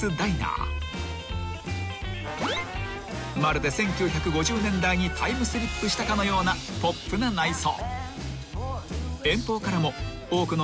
［まるで１９５０年代にタイムスリップしたかのようなポップな内装］